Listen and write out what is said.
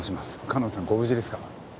かのんさんご無事ですか？